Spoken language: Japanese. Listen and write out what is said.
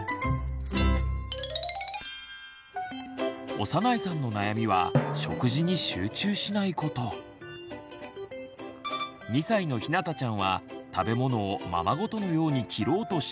小山内さんの悩みは２歳のひなたちゃんは食べ物をままごとのように切ろうとしたり。